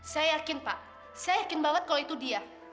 saya yakin pak saya yakin banget kalau itu dia